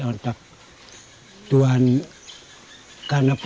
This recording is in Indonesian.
sehingga mereka dapat memiliki makanan yang lebih baik